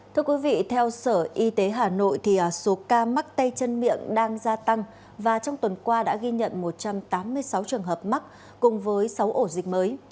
thưa quý vị theo sở y tế hà nội thì số ca mắc tay chân miệng đang gia tăng và trong tuần qua đã ghi nhận một trăm tám mươi sáu trường hợp mắc cùng với sáu ổ dịch mới